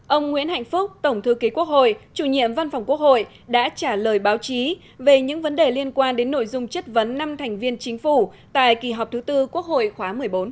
ông nguyễn hạnh phúc tổng thư ký quốc hội chủ nhiệm văn phòng quốc hội đã trả lời báo chí về những vấn đề liên quan đến nội dung chất vấn năm thành viên chính phủ tại kỳ họp thứ tư quốc hội khóa một mươi bốn